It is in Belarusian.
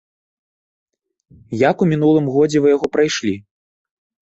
Як у мінулым годзе вы яго прайшлі?